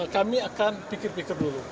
kami akan pikir pikir dulu